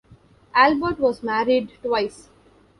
Albert was married twice.